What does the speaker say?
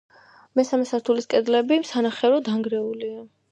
მესამე სართულის კედლები სანახევროდ დანგრეულია.